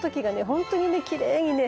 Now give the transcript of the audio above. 本当にきれいにね